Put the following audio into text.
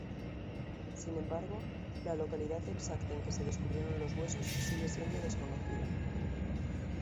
Sin embargo, la localidad exacta en que se descubrieron los huesos sigue siendo desconocida.